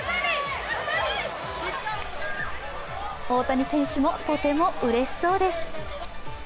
大谷選手も、とてもうれしそうです。